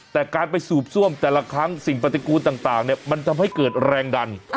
แต่การไปสูบซ่วมแต่ละครั้งสิ่งปฏิกูลต่างมันทำให้เกิดแรงดัน